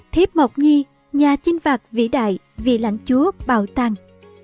thế mộc nhi nhà chinh phạt vĩ đại vị lãnh chúa bảo tàng